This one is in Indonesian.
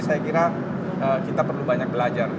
saya kira kita perlu banyak belajar